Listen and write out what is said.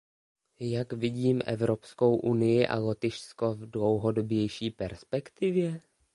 Jak vidím Evropskou unii a Lotyšsko v dlouhodobější perspektivě?